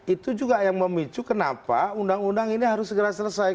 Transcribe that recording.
itu juga yang memicu kenapa undang undang ini harus segera selesai